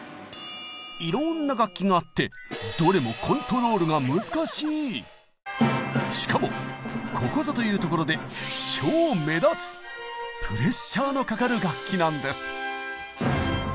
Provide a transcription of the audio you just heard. いろんな楽器があってどれもしかもここぞというところでプレッシャーのかかる楽器なんです。